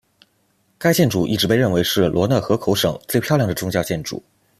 该建筑一直被认为是罗讷河口省最漂亮的宗教建筑。